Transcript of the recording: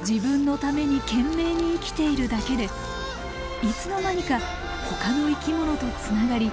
自分のために懸命に生きているだけでいつの間にかほかの生き物とつながり